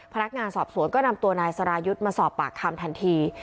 พนักงานสอบสวนก็นำตัวนายสรายุทธ์มาสอบปากคำทันที